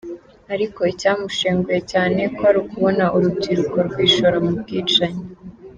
Ariko icyamushenguye cyane kwari ukubona urubyiruko rwishora mu bwicanyi.